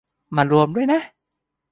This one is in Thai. มารวมด้วยนะ